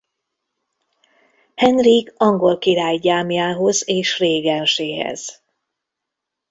Henrik angol király gyámjához és régenséhez.